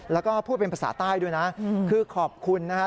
แล้วก็พูดเป็นภาษาใต้ด้วยนะคือขอบคุณนะครับ